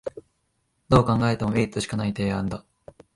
どう考えてもメリットしかない提案だ